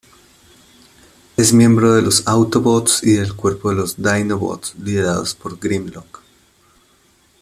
Es miembro de los Autobots del cuerpo de los Dinobots, liderados por Grimlock.